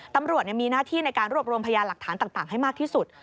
ตำรวจมีหน้าที่ในการรวบรวมพยานหลักฐานต่างให้มากที่สุด